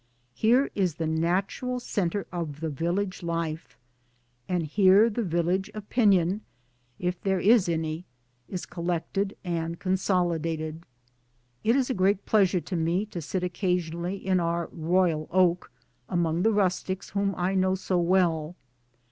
Here is the natural centre of the Village life, and here the village Opinion if I RURAL CONDITIONS 299 there is any is collected and consolidated. It is a great pleasure to me to sit occasionally in our " Royal Oak " among 1 the rustics whom I know so well.